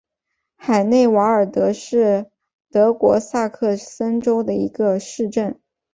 海内瓦尔德是德国萨克森州的一个市镇。